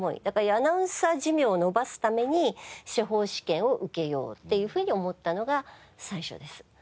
だからアナウンサー寿命を延ばすために司法試験を受けようっていうふうに思ったのが最初です。